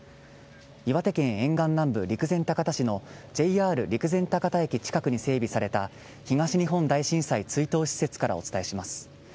岩手県沿岸南部、陸前高田市のＪＲ陸前高田駅近くに整備された東日本大震災追悼施設からお伝えします。